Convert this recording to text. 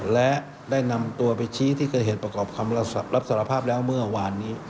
และได้นำตัวไปชี้ที่เกิดเหตุประกอบคำรับสารภาพแล้วเมื่อวานนี้